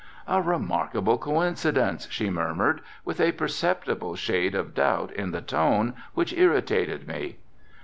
"A remarkable coincidence," she murmured, with a perceptible shade of doubt in the tone which irritated me.